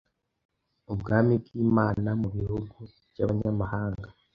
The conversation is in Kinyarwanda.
Ubwami bw’Imana mu bihugu by’abanyamahanga.